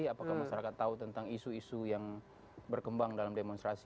apakah masyarakat tahu tentang isu isu yang berkembang dalam demonstrasi